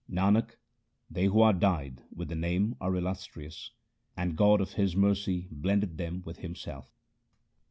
Nanak, they who are dyed with the Name are illustrious, and God of His mercy blendeth them with Himself.